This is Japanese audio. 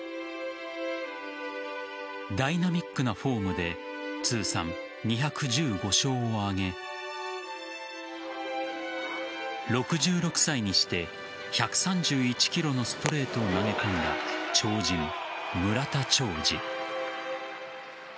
ダイナミックなフォームで通算２１５勝を挙げ６６歳にして１３１キロのストレートを投げ込んだ超人・村田兆治。